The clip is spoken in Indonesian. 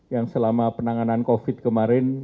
yang selama penanganan covid kemarin